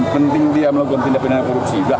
penting dia melakukan tindakan korupsi dah